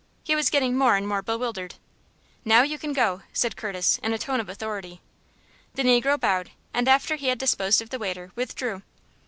He was getting more and more bewildered. "Now, you can go!" said Curtis, in a tone of authority. The negro bowed, and after he had disposed of the waiter, withdrew.